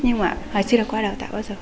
nhưng mà chưa được qua đào tạo bao giờ